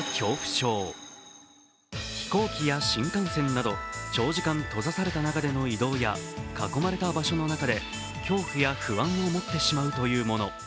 飛行機や新幹線など長時間閉ざされた中での移動や囲まれた場所の中で恐怖や不安を持ってしまうというもの。